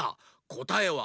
こたえは。